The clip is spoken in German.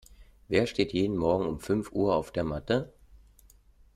Wer steht jeden Morgen um fünf Uhr auf der Matte?